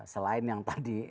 selain yang tadi